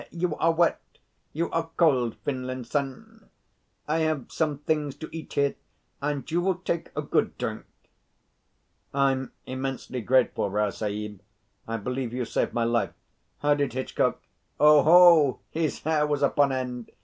You are wet? You are cold, Finlinson? I have some things to eat here, and you will take a good drink." "I'm immensely grateful, Rao Sahib. I believe you've saved my life. How did Hitchcock " "Oho! His hair was upon end.